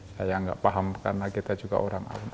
saya nggak paham karena kita juga orang awam